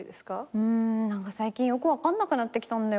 うーん何か最近よく分かんなくなってきた。